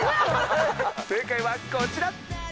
正解はこちら！